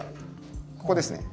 ここですね。